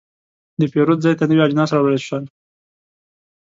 د پیرود ځای ته نوي اجناس راوړل شول.